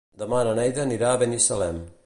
Demà na Neida anirà a Binissalem.